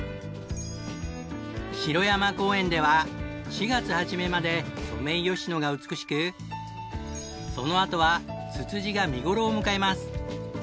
城山公園では４月初めまでソメイヨシノが美しくそのあとはつつじが見頃を迎えます。